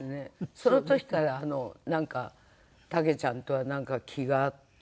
その時からタケちゃんとはなんか気が合って。